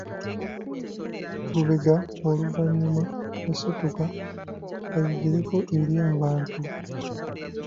Lubega oluvannyuma yasituka ayogereko eri abantu.